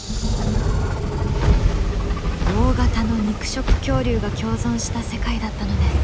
大型の肉食恐竜が共存した世界だったのです。